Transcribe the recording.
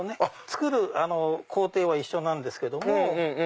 作る工程は一緒なんですけども。